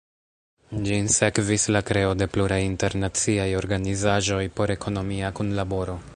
Ĝin sekvis la kreo de pluraj internaciaj organizaĵoj por ekonomia kunlaboro.